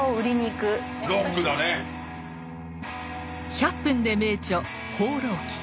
「１００分ｄｅ名著」「放浪記」。